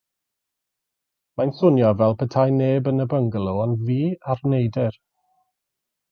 Mae'n swnio fel petai neb yn y byngalo ond fi a'r neidr.